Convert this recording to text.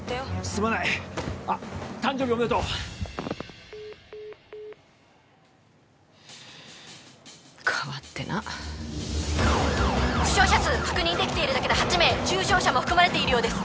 すまないあっ誕生日おめでとう変わってなっ負傷者数確認できているだけで８名重傷者も含まれているようです